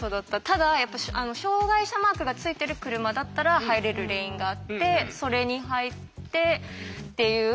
ただやっぱり障害者マークがついてる車だったら入れるレーンがあってそれに入ってっていう。